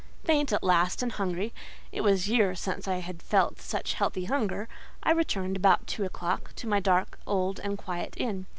Faint, at last, and hungry (it was years since I had felt such healthy hunger), I returned, about two o'clock, to my dark, old, and quiet inn.